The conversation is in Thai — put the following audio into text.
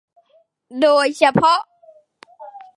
โดยเฉพาะ